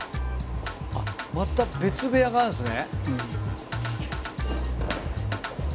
また別部屋があるんですね！